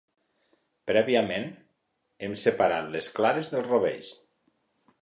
Prèviament, hem separat les clares dels rovells.